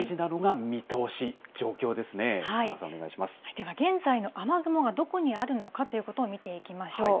では現在の雨雲がどこにあるのかというのを見ていきましょう。